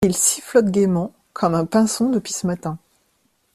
Il sifflote gaiement comme un pinson depuis ce matin.